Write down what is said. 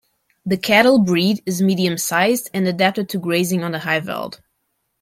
The cattle breed is medium-sized and adapted to grazing on the highveld.